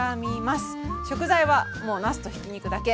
食材はもうなすとひき肉だけ。